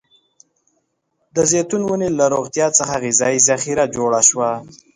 د زیتون ونې له روغتيا څخه غذايي ذخیره جوړه شوه.